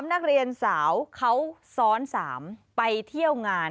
นักเรียนสาวเขาซ้อน๓ไปเที่ยวงาน